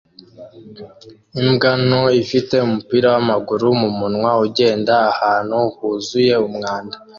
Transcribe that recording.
Imbwa nto ifite umupira wamaguru mumunwa ugenda ahantu huzuye umwanda